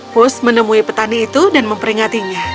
pus menemui petani itu dan memperingatinya